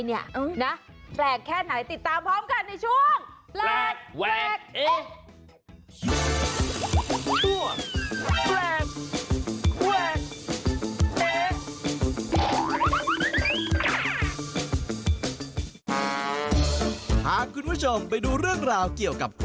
เฮ้ยมันอะไรเนี่ยนะ